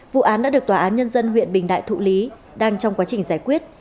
vụ án đã được tòa án nhân dân huyện bình đại thụ lý đang trong quá trình giải quyết